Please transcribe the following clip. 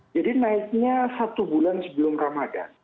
jadi naiknya satu bulan sebelum ramadan